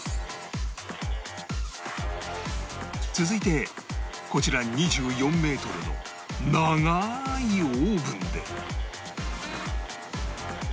続いてこちら２４メートルの長いオーブンで